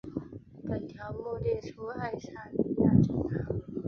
本条目列出爱沙尼亚政党。